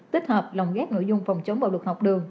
vì tập trung nó rất là hoà đồng